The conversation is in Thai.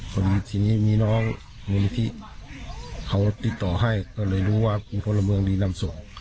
ส่วนที่นี้มีน้องมูลนิธิเขาติดต่อให้ก็เลยรู้ว่าปรุงพลเมืองนี่นำศก